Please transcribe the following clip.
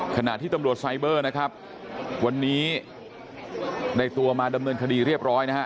ขณะที่ตำรวจไซเบอร์นะครับวันนี้ได้ตัวมาดำเนินคดีเรียบร้อยนะฮะ